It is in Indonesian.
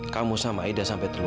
kamu sama aida sampai terluka